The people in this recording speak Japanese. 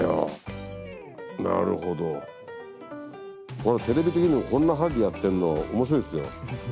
これテレビ的にもこんな針でやってんの面白いっすよ。